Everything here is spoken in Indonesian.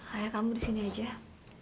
ayah kamu di sini aja